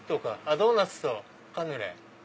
ドーナツとカヌレ。